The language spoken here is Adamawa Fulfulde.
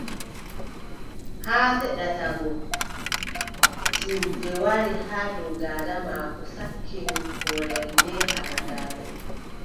Haa seɗata go, siilde wari haa dow daada maako, sakkini koolel bee halagaare.